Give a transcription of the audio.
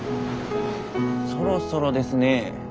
そろそろですね。